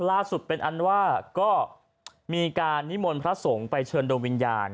ล่าสุดเป็นอันว่าก็มีการนิมนต์พระสงฆ์ไปเชิญโดยวิญญาณ